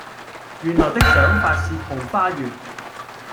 原來的想法是桃花源